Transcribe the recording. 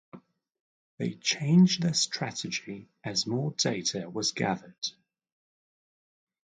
They changed their strategy as more data was gathered.